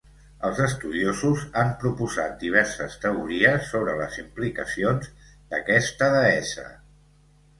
Els estudiosos han proposat diverses teories sobre les implicacions d'aquesta deessa.